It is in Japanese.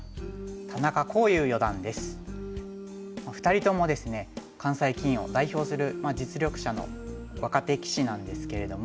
２人ともですね関西棋院を代表する実力者の若手棋士なんですけれども。